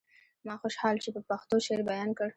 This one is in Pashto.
ما خوشحال چې په پښتو شعر بيان کړ.